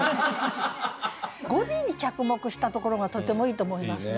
語尾に着目したところがとてもいいと思いますね。